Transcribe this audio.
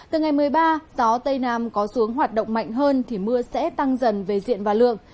từ ngày một mươi ba gió tây nam có xuống hoạt động mạnh hơn thì mưa sẽ tăng dần về diện và lượng